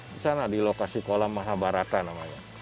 disana di lokasi kolam mahabarata namanya